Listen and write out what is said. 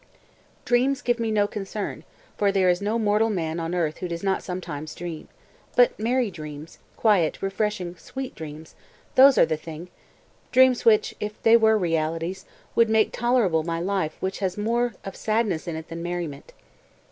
220. "Dreams give me no concern, for there is no mortal man on earth who does not sometimes dream. But merry dreams! quiet, refreshing, sweet dreams! Those are the thing! Dreams which, if they were realities, would make tolerable my life which has more of sadness in it than merriment."